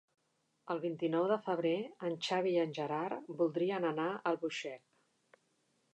El vint-i-nou de febrer en Xavi i en Gerard voldrien anar a Albuixec.